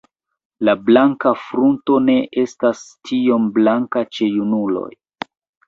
La blanka frunto ne estas tiom blanka ĉe junuloj.